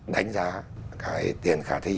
đánh giá cái tiền khả thi